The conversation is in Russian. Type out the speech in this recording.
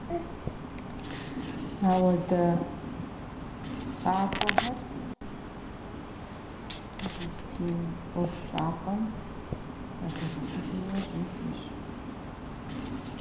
Такие поступления должны также переводиться Палестинской администрации на регулярной основе.